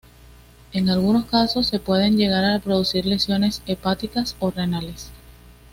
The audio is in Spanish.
En algunos casos se pueden llegar a producir lesiones hepáticas o renales.